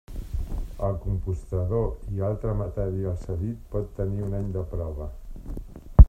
El compostador i altre material cedit pot tenir un any de prova.